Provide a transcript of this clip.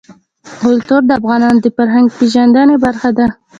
کلتور د افغانانو د فرهنګي پیژندنې برخه ده.